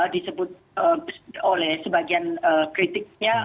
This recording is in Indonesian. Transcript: disebut oleh sebagian kritiknya